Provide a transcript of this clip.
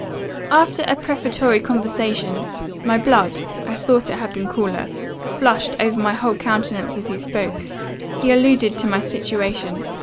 "After a prefatory conversation, my blood (I thought it had been cooler) flushed over my whole countenance as he spoke he alluded to my situation.